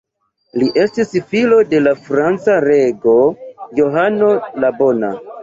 Li estis filo de la franca rego Johano la Bona.